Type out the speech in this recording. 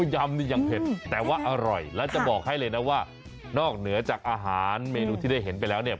ยำนี่ยังเผ็ดแต่ว่าอร่อยและจะบอกให้เลยนะว่านอกเหนือจากอาหารเมนูที่ได้เห็นไปแล้วเนี่ย